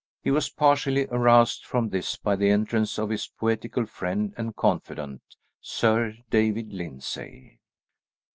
He was partially aroused from this by the entrance of his poetical friend and confidant, Sir David Lyndsay.